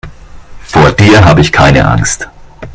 Vor dir habe ich keine Angst.